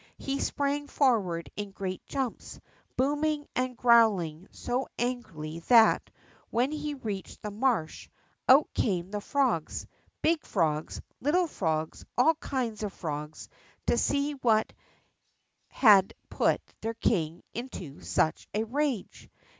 lie sprang forAvard in great jumps, booming and groAvling so angrily that, Avhen he reached the marsh, out came the frogs, big frogs, little frogs, all kinds of frogs, to see Avhat had put their king into such a rage.